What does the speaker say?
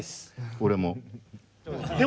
俺も。